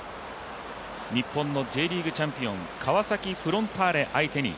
日本のＪリーグチャンピオン、川崎フロンターレ相手に